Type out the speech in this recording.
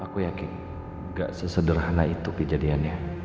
aku yakin gak sesederhana itu kejadiannya